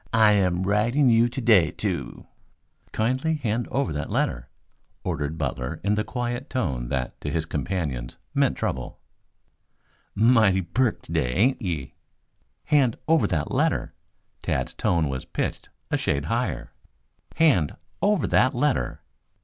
"'I am writing you today to '" "Kindly hand over that letter," ordered Butler in the quiet tone that to his companions meant trouble. "Mighty perk today, ain't ye?" "Hand over that letter!" Tad's tone was pitched a shade higher. [Illustration: "Hand Over That Letter!"